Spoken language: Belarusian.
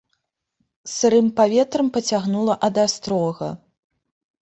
Сырым паветрам пацягнула ад астрога.